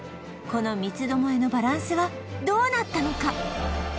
この三つ巴のバランスはどうなったのか？